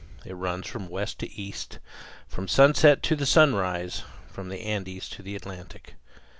It runs from west to east, from the sunset to the sunrise, from the Andes to the Atlantic.